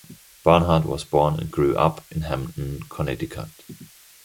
Barnhart was born and grew up in Hamden, Connecticut.